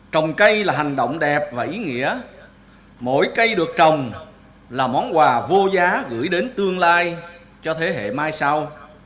trồng cây là hành động đẹp và ý nghĩa mỗi cây được trồng là món quà vô giá gửi đến tương lai cho thế hệ mai sau